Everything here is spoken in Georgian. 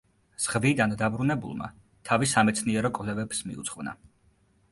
ზღვიდან დაბრუნებულმა თავი სამეცნიერო კვლევებს მიუძღვნა.